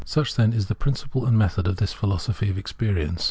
Such, then, is the principle and method of this Philo sophy of Experience.